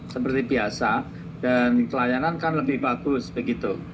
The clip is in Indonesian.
seperti biasa dan pelayanan kan lebih bagus begitu